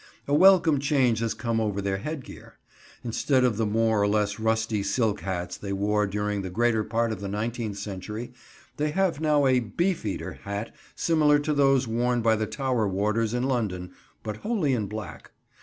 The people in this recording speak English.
A welcome change has come over their headgear. Instead of the more or less rusty silk hats they wore during the greater part of the nineteenth century, they have now a "beefeater" hat similar to those worn by the Tower warders in London, but wholly in black.